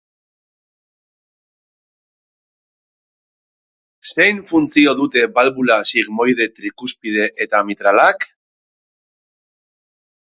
Zein funtzio dute balbula sigmoide, trikuspide eta mitralak?